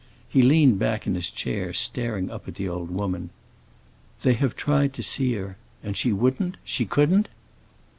He leaned back in his chair, staring up at the old woman. "They have tried to see her, and she wouldn't—she couldn't?"